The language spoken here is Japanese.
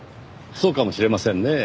そうかもしれませんねぇ。